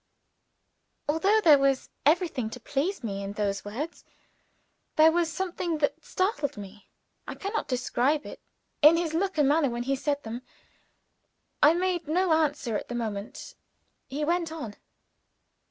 Although there was everything to please me in those words, there was something that startled me I cannot describe it in his look and manner when he said them. I made no answer at the moment. He went on.